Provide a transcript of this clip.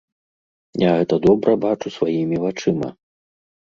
Я гэта добра бачу сваімі вачыма.